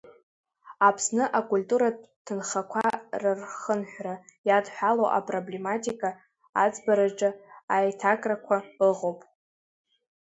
Аԥсны акультуратә ҭынхақәа рырхынҳәра иадҳәалоу апроблематика аӡбараҿгьы аиҭакрақәа ыҟоуп.